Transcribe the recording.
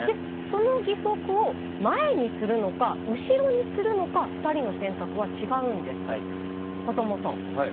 その義足を前にするのか後ろにするのか２人の選択は違うんです。